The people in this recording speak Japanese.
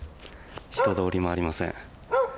人通りもありません。